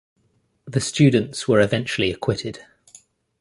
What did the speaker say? The students were eventually acquitted.